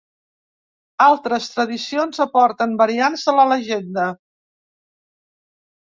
Altres tradicions aporten variants de la llegenda.